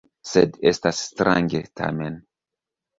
Sed estas strange, tamen.